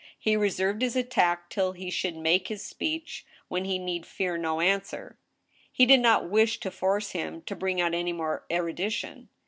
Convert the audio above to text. He resented his attack till he should make his speech, when he need fear no answer. He did not wish to force him to bring out any more erudition.